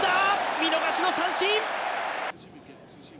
見逃しの三振！